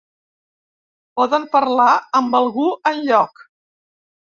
Poden parlar amb algú enlloc.